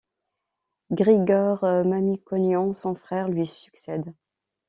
Grigor Mamikonian, son frère, lui succède.